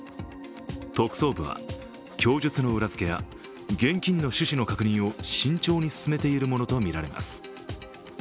特捜部は供述の裏づけや現金の趣旨の確認を慎重に進めているものとみられます。